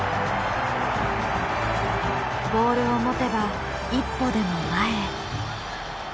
ボールを持てば一歩でも前へ。